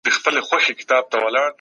پښتو ژبه د دې ظرفیت لري.